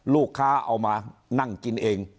ลูกค้าเอามานั่งกินเอง